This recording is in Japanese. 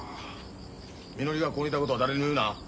みのりがここにいたことは誰にも言うな。